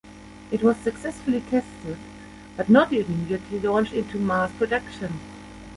It was successfully tested, but not immediately launched into mass production.